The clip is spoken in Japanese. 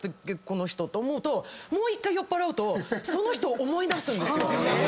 この人と思うともう１回酔っぱらうとその人を思い出すんですよ。